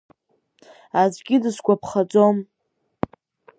Аӡәгьы дысгәаԥхаӡом!